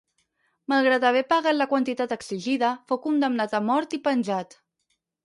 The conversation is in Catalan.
Malgrat haver pagat la quantitat exigida, fou condemnat a mort i penjat.